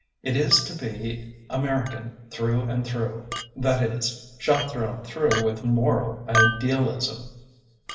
It is to be American through and through — ^that is, shot through and through with moral ideal ism.